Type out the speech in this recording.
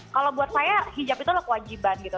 kalau buat saya hijab itu adalah kewajiban gitu